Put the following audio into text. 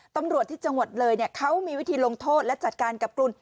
ตำรวจที่จังหวัดเลยเขามีวิธีลงโทษและจัดการกับกลุ่ม